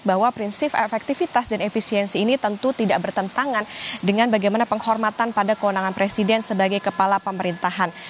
bahwa prinsip efektivitas dan efisiensi ini tentu tidak bertentangan dengan bagaimana penghormatan pada kewenangan presiden sebagai kepala pemerintahan